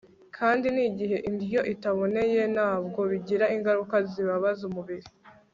kandi n'igihe indyo itaboneye, na bwo bigira ingaruka zibabaza umubiri